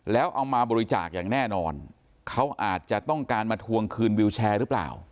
แล้วเอามาบริจาคอย่างแน่นอนเขาอาจจะต้องการมาทวงคืนวิวแชร์หรือเปล่า